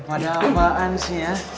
pada apaan sih ya